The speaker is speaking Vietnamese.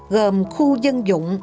gồm khu dân dụng